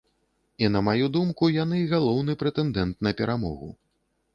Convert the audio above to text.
І на маю думку, яны галоўны прэтэндэнт на перамогу.